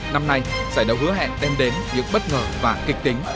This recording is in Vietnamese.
năm nay giải đấu hứa hẹn đem đến những bất ngờ và kịch tính